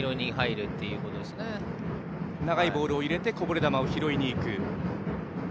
長いボールを入れてこぼれ球を拾いにいく。